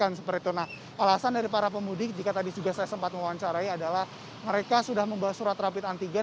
nah alasan dari para pemudik jika tadi juga saya sempat mewawancarai adalah mereka sudah membawa surat rapid antigen